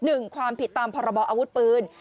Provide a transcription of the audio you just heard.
หนึ่งความผิดตามพรบอาวุธปืน